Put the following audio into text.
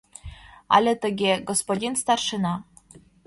Але тыге: «Господин старшина».